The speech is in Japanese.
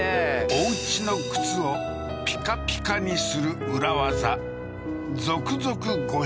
おうちの靴をピカピカにする裏技続々ご紹介